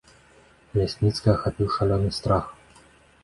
Лясніцкага ахапіў шалёны страх.